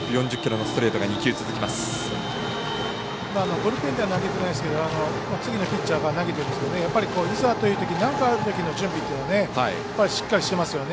ブルペンでは投げてないですけど次のピッチャーが投げていざというときに何かあるときの準備というのはしっかりしてますよね。